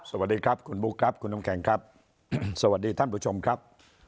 สวัสดีครับคุณบุ๊คครับคุณน้ำแข็งครับสวัสดีท่านผู้ชมครับ